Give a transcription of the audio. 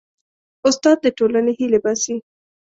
استاد د ټولنې هیلې باسي.